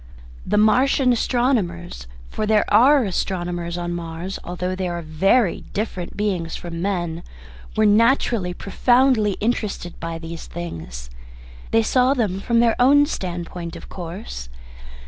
The Martian astronomers for there are astronomers on Mars, although they are very different beings from men were naturally profoundly interested by these things. They saw them from their own standpoint of course.